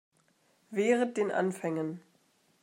Wehret den Anfängen.